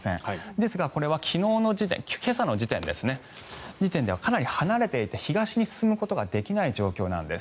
ですが、今朝の時点ではかなり離れていて東に進むことができない状況なんです。